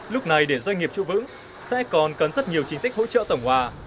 lúc này để doanh nghiệp trụ vững sẽ còn cần rất nhiều chính sách hỗ trợ tổng hòa